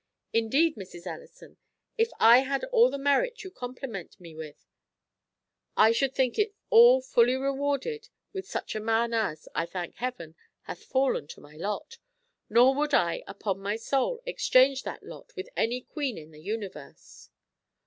Indeed, Mrs. Ellison, if I had all the merit you compliment me with, I should think it all fully rewarded with such a man as, I thank Heaven, hath fallen to my lot; nor would I, upon my soul, exchange that lot with any queen in the universe."